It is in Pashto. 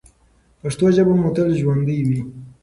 پښتو ژبه مو تل ژوندۍ وي.